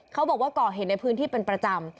เขาบอกว่าก่อเหตุในพื้นที่เป็นประจำ